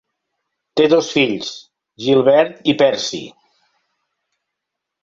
Té dos fills, Gilbert i Percy.